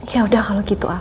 ya udah kalau gitu